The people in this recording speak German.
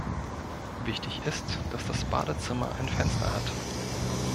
Wichtig ist, dass das Badezimmer ein Fenster hat.